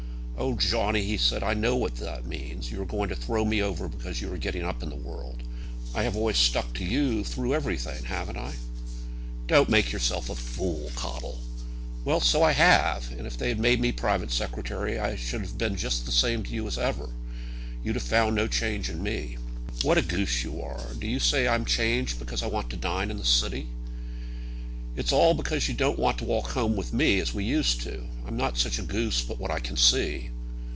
"Oh, Johnny," he said, "I know what that means. You are going to throw me over because you are getting up in the world. I have always stuck to you, through everything; haven't I?" "Don't make yourself a fool, Caudle." "Well; so I have. And if they had made me private secretary, I should have been just the same to you as ever. You'd have found no change in me." "What a goose you are. Do you say I'm changed, because I want to dine in the city?" "It's all because you don't want to walk home with me, as we used to do. I'm not such a goose but what I can see.